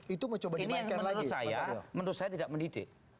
ini yang menurut saya tidak mendidik